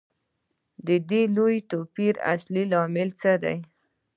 د دې لوی توپیر اصلي لامل څه دی